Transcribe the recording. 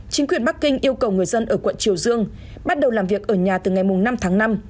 chính quyền bắc kinh yêu cầu người dân ở quận triều dương bắt đầu làm việc ở nhà từ ngày năm tháng năm